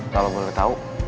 kalo gua udah tau